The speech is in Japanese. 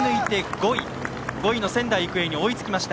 ５位の仙台育英に追いつきました。